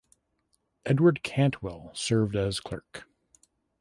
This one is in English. Edward Cantwell served as clerk.